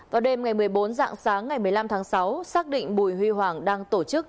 vào đêm ngày một mươi bốn dạng sáng ngày một mươi năm tháng sáu xác định bùi huy hoàng đang tổ chức